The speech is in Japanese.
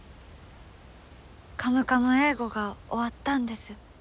「カムカム英語」が終わったんです。